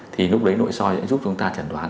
thì lúc đấy nội soi sẽ giúp chúng ta chẩn đoán